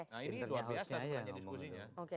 nah ini luar biasa